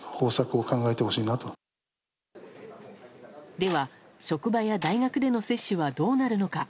では、職場や大学での接種はどうなるのか。